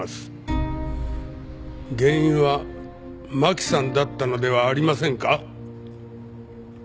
原因はマキさんだったのではありませんか？